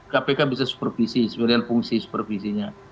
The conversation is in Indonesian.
kpk bisa supervisi sebagian fungsi supervisinya